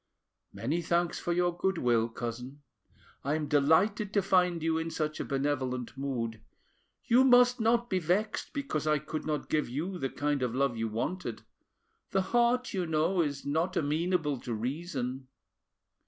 "Many thanks for your goodwill, cousin; I am delighted to find you in such a benevolent mood. You must not be vexed because I could not give you the kind of love you wanted; the heart, you know, is not amenable to reason."